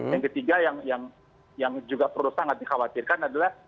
yang ketiga yang juga perlu sangat dikhawatirkan adalah